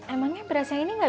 emangnya beras yang ini gak bisa